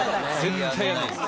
絶対やらないです。